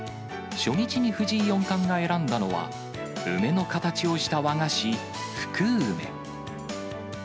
初日に藤井四冠が選んだのは、梅の形をした和菓子、ふくうめ。